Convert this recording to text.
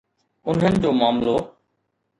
انهن جو معاملو؟